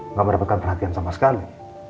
nggak mendapatkan perhatian sama sekali